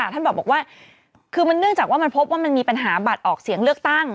ท่านบอกว่าคือเนื่องจากว่ามันพบว่ามันมีปัญหาบัตรออกเสียงเลือกตั้ง